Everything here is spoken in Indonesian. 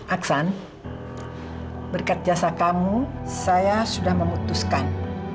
aksan berkat jasa kamu saya sudah memutuskan